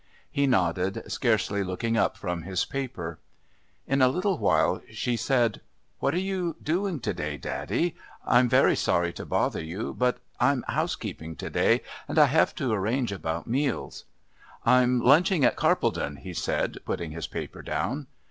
He nodded, scarcely looking up from his paper. In a little while she said: "What are you doing to day, daddy? I'm very sorry to bother you, but I'm housekeeping to day, and I have to arrange about meals " "I'm lunching at Carpledon," he said, putting his paper down.